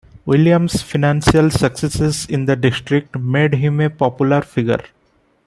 Williams' financial successes in the District made him a popular figure.